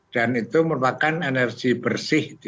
itu merupakan energi bersih